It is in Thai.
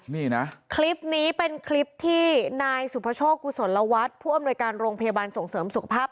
นี่นะคลิปนี้เป็นคลิปที่นายสุภโชคกุศลวัฒน์ผู้อำนวยการโรงพยาบาลส่งเสริมสุขภาพ